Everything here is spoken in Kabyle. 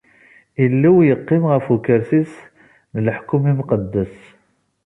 Illu yeqqim ɣef ukersi-s n leḥkwem imqeddes.